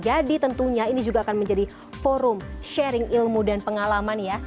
jadi tentunya ini juga akan menjadi forum sharing ilmu dan pengalaman ya